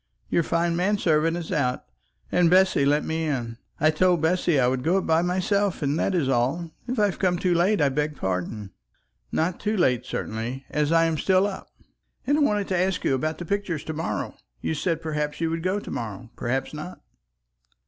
Your fine man servant is out, and Bessy let me in. I told Bessy I would go up by myself, and that is all. If I have come too late I beg pardon." "Not too late, certainly, as I am still up." "And I wanted to ask you about the pictures to morrow? You said, perhaps you would go to morrow, perhaps not."